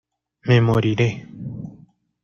¡ me moriré!...